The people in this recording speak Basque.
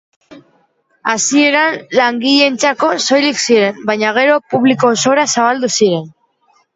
Hasieran langileentzako soilik ziren baina gero publiko osora zabaldu ziren.